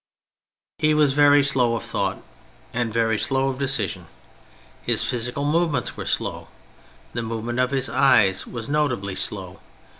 He was very slow of thought, and very slow of decision. His physical movements were slow. The movement of his eyes was notably slow.